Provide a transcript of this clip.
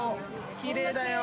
きれいだよ。